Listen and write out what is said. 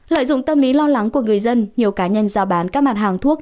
lợi dụng tâm lý lo lắng của người dân nhiều cá nhân giao bán các mặt hàng thuốc